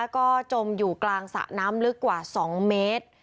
ก็จมอยู่กลางสระน้ำลึกกว่า๒เมตร